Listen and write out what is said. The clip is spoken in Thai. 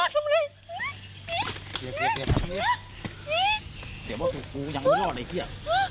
เหงื่อว่าผู้ถูกกูยังไม่รอดไอ้เฮีย